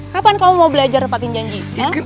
kapan kamu mau belajar nepatin janji